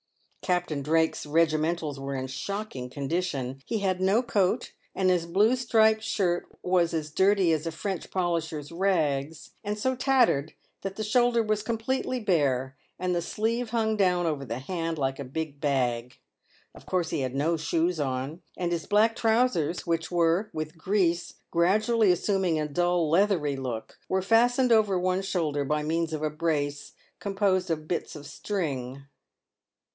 Captain Drake's regimentals were in a shocking condition ; he had no coat, and his blue striped shirt was as dirty as a Prench polisher's rags, and so tattered that the shoulder w r as completely bare, and the sleeve hung down over the hand like a big bag. Of course he had no shoes on, and his black trousers, which were, with grease, gradually assuming a dull, leathery look, were fastened over one shoulder by means of a brace composed of bits of string.